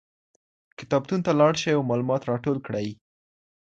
کتابتون ته لاړ شئ او معلومات راټول کړئ.